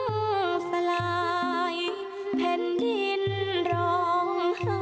น้ำตาหลังใจพังสลายเผ็ดดินร้องหาย